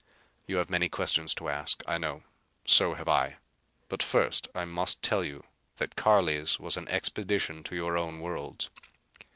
You have many questions to ask, I know. So have I. But first I must tell you that Carli's was an expedition to your own worlds.